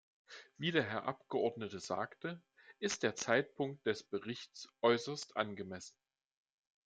Wie der Herr Abgeordnete sagte, ist der Zeitpunkt des Berichts äußerst angemessen.